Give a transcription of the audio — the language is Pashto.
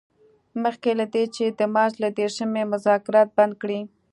مخکې له دې چې د مارچ له دیرشمې مذاکرات بند کړي.